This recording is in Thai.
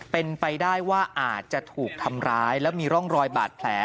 เป็นไปได้ว่าอาจจะถูกทำร้ายแล้วมีร่องรอยบาดแผล